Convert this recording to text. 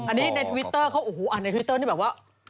อันนี้ในทวิตเตอร์เขาโอ้โหอ่านในทวิตเตอร์นี่แบบว่า